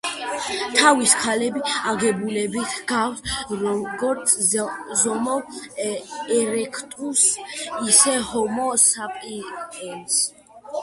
თავის ქალები აგებულებით ჰგავს, როგორც ჰომო ერექტუსს, ისე ჰომო საპიენსს.